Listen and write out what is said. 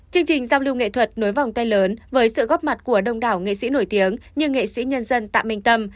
chương trình giao lưu nghệ thuật nối vòng tay lớn với sự góp mặt của đông đảo nghệ sĩ nổi tiếng như nghệ sĩ nhân dân tạ minh tâm